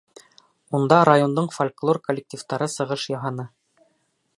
Унда райондың фольклор коллективтары сығыш яһаны.